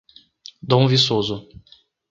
Dom Viçoso